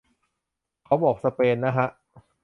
เขาบอกสเปนนะฮะ